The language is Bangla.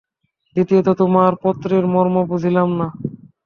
দ্বিতীয়ত তোমার পত্রের মর্ম বুঝিলাম না।